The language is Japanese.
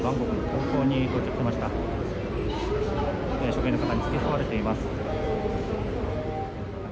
職員の方に付き添われています。